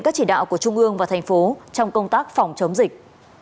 các chỉ đạo của trung ương và thành phố trong công tác phòng chống dịch